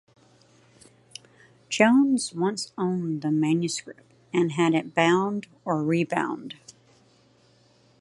Jones once owned the manuscript and had it bound or rebound.